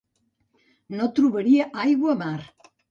No trobaria aigua a mar.